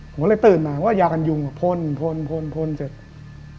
ผมก็เลยตื่นมาว่ายากันยุงพ่นพ่นพ่นพ่นเสร็จ